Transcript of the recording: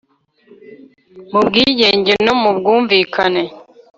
Mu bwigenge no mu bwumvikane.